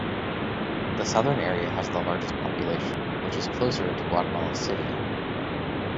The southern area has the largest population, which is closer to Guatemala City.